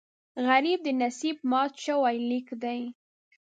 غریب د نصیب مات شوی لیک دی